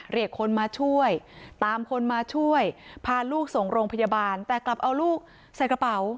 เรียกคนมาช่วยตามคนมาช่วยพาลูกส่งโรงพยาบาลแต่กลับเอาลูกใส่กระเป๋า